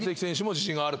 自信ある？